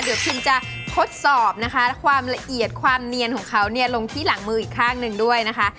เดี๋ยวพิมจะทดสอบนะคะความละเอียดความเนียนของเขาเนี่ยลงที่หลังมืออีกข้างหนึ่งด้วยนะคะ